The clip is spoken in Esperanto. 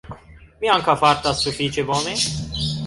Mi ankaŭ fartas sufiĉe bone